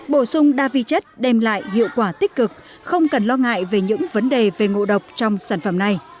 bổ sung đa vi chất đem lại hiệu quả tích cực không cần lo ngại về những vấn đề về ngộ độc trong sản phẩm này